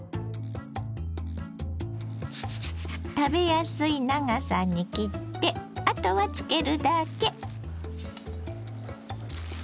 食べやすい長さに切ってあとは漬けるだけ。